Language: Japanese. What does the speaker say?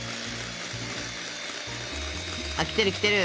あっ来てる来てる。